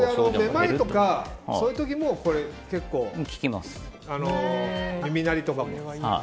めまいとかそういう時も耳鳴りとかも？